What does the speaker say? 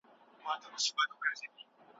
د لويي جرګې په وخت کي د کابل ښار وضعیت څه ډول وي؟